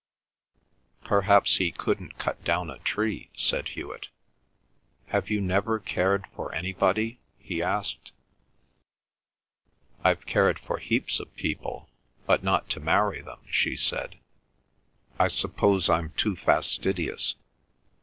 "Perhaps he couldn't cut down a tree," said Hewet. "Have you never cared for anybody?" he asked. "I've cared for heaps of people, but not to marry them," she said. "I suppose I'm too fastidious.